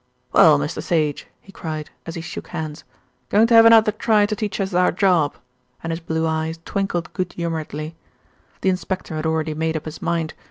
"Well, Mr. Sage," he cried, as he shook hands, "going to have another try to teach us our job," and his blue eyes twinkled good humouredly. The inspector had already made up his mind.